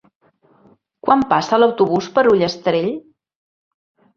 Quan passa l'autobús per Ullastrell?